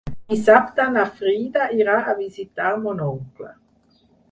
Dissabte na Frida irà a visitar mon oncle.